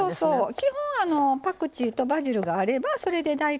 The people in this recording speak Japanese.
基本パクチーとバジルがあればそれで大体お味は成り立つので。